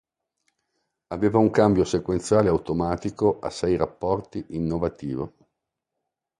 Aveva un cambio sequenziale automatico a sei rapporti innovativo.